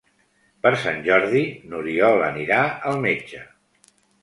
Per Sant Jordi n'Oriol anirà al metge.